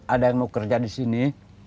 ada yang mau kerja di sini